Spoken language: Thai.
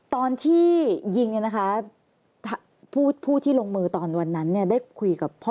ตอนที่ยิงนะคะผู้ที่ลงมือตอนวันนั้นได้คุยกับพ่อ